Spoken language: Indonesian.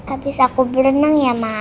abis aku berenang ya mas